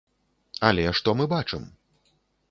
Але што мы бачым?